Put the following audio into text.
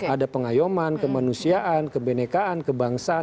ada pengayuman kemanusiaan kebenekaan kebangsaan